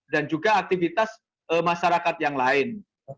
dan juga aktivitas masyarakat yang lain